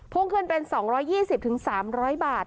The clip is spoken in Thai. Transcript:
พ่งขึ้นเป็นสองร้อยยี่สิบถึงสามร้อยบาท